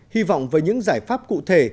hy vọng với những giải pháp cụ thể